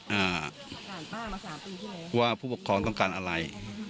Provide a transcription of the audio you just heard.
อ่าว่าผู้ปกครองต้องการอะไร